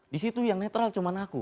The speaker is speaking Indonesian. disitu yang netral cuman aku